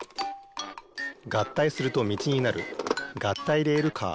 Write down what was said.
合体するとみちになる合体レールカー。